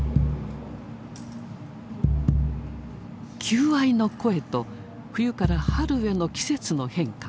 求愛の声と冬から春への季節の変化。